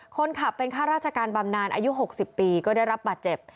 คนขับเป็นข้าราชการบำนานอายุ๖๐ปีก็ได้รับบาดเจ็บ